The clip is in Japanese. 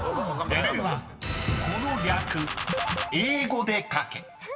［この略英語で書け］